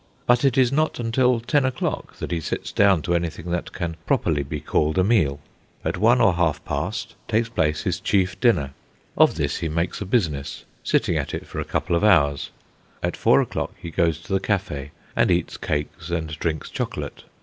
But it is not until ten o'clock that he sits down to anything that can properly be called a meal. At one or half past takes place his chief dinner. Of this he makes a business, sitting at it for a couple of hours. At four o'clock he goes to the cafe, and eats cakes and drinks chocolate.